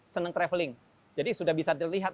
senang traveling jadi sudah bisa dilihat